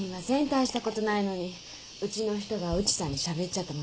大したことないのにウチの人が内さんにしゃべっちゃったもんだから。